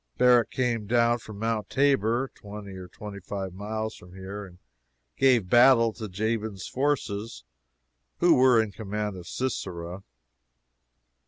Barak came down from Mount Tabor, twenty or twenty five miles from here, and gave battle to Jabin's forces, who were in command of Sisera.